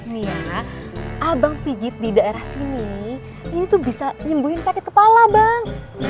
nih ya abang pijit di daerah sini ini tuh bisa nyembuhin sakit kepala bang